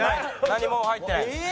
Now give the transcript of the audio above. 何も入ってないです。